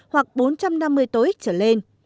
hoặc bốn trăm năm mươi tối ít trở lên